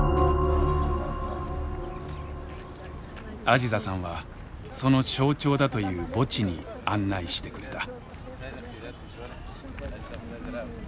アジザさんはその象徴だという墓地に案内してくれた。